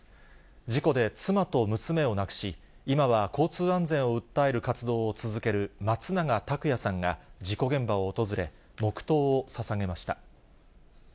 事故で妻と娘を亡くし、今は交通安全を訴える活動を続ける松永拓也さんが、事故現場を訪れ、黙とうをささげました。